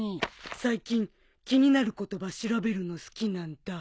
最近気になる言葉調べるの好きなんだ。